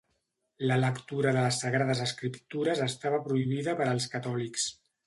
La lectura de les Sagrades Escriptures estava prohibida per als catòlics.